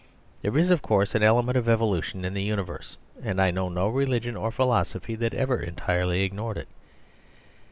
There is, of course, an element of evolutionism in the universe; and I know no religion or philosophy that ever entirely ignored it.